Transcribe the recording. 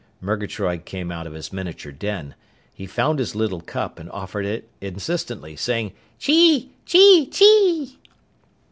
Murgatroyd came out of his miniature den. He found his little cup and offered it insistently, saying, "_Chee! Chee! Chee!